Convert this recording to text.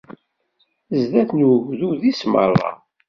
Sdat n ugdud-is merra.